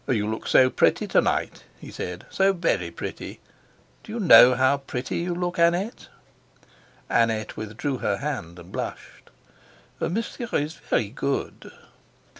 "You look so pretty to night," he said, "so very pretty. Do you know how pretty you look, Annette?" Annette withdrew her hand, and blushed. "Monsieur is very good."